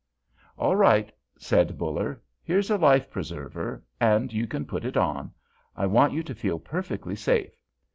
"All right," said Buller; "here's a life preserver, and you can put it on. I want you to feel perfectly safe.